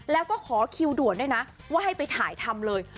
แล้วก็ขอคิวด่วนด้วยนะว่าให้ไปถ่ายทำเลย